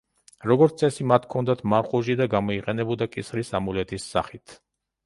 როგორც წესი, მათ ჰქონდათ მარყუჟი და გამოიყენებოდა კისრის ამულეტის სახით.